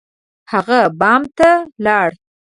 هغه بام ته لاړ.